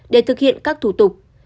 để thực hiện các thủ tục